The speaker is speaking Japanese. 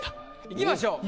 いきましょう。